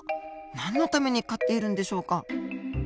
何のために飼っているんでしょうか？